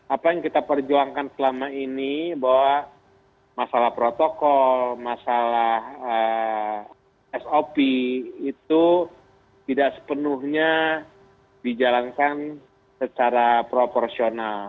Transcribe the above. apa yang kita perjuangkan selama ini bahwa masalah protokol masalah sop itu tidak sepenuhnya dijalankan secara proporsional